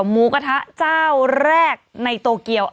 หมูกระทะเจ้าแรกในโตเกียว